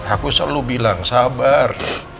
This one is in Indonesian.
aku selalu bilang sabar